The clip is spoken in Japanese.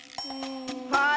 はい！